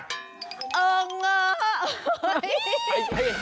เอ่งเอ่ย